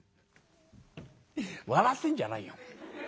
「笑ってんじゃないよ。